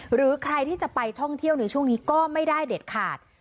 หรือใครที่จะไปท่องเที่ยวในช่วงนี้ก็ไม่ได้เด็ดขาด